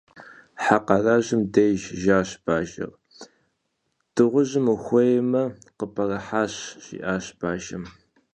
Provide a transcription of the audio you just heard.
Хьэ къарэжьым деж жащ бажэр. - Дыгъужьым ухуеймэ, къыпӏэрыхьащ, - жиӏащ бажэм.